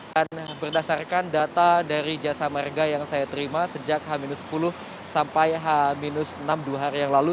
dan berdasarkan data dari jasa merga yang saya terima sejak h sepuluh sampai h enam dua hari yang lalu